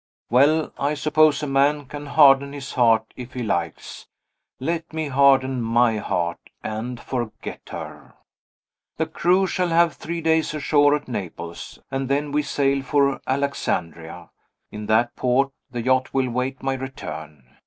Well, I suppose a man can harden his heart if he likes. Let me harden my heart, and forget her. The crew shall have three days ashore at Naples, and then we sail for Alexandria. In that port the yacht will wait my return.